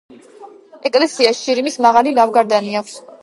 ეკლესიას შირიმის მაღალი ლავგარდანი აქვს.